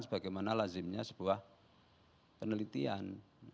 sebagaimana lazimnya sebuah penelitian